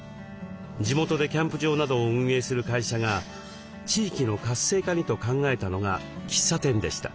地元でキャンプ場などを運営する会社が地域の活性化にと考えたのが喫茶店でした。